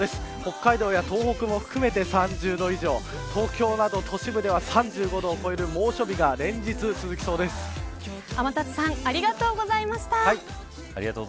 北海道や東北も含めて３０度以上東京など都市部では３５度を超える猛暑日が天達さんありがとうございました。